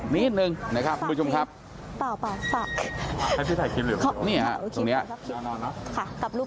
ไม่เปล่าฝาก